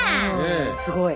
すごい！